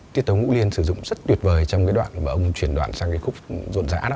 tiết tấu ngũ liên sử dụng rất tuyệt vời trong cái đoạn mà ông truyền đoạn sang cái khúc ruộn rã đó